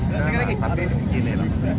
ya jangan salahin tempatnya tapi gini lah